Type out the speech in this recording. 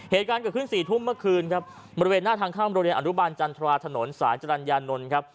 เหตุการณ์เกิดขึ้นสี่ทุ่มเมื่อคืนครับบริเวณหน้าทางข้ามโรงเรียนอนุบาลจันทราถนนสายจรรยานนท์ครับ